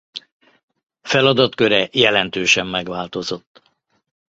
Feladatköre jelentősen megváltozott.